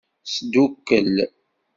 Sdukkel.